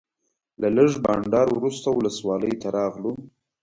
له لږ بانډار وروسته ولسوالۍ ته راغلو.